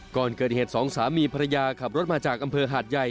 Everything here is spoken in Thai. ก่อนเกิดเหตุสองสามีภรรยาขับรถมาจากอำเภอหาดใหญ่